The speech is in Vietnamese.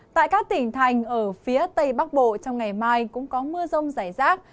tại các tỉnh thành ở phía tây bắc bộ trong ngày mai cũng có mưa rong dài rác